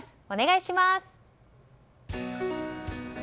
お願いします。